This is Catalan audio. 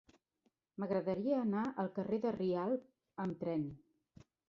M'agradaria anar al carrer de Rialb amb tren.